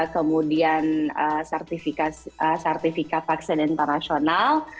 kemudian sertifikat vaksin internasional